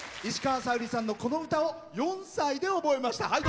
石川さゆりさんのこの歌を４歳で覚えました。